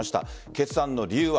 決断の理由は。